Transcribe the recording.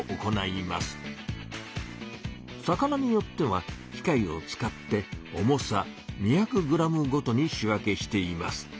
魚によっては機械を使って重さ２００グラムごとに仕分けしています。